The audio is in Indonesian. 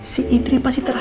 si idri pasti terharu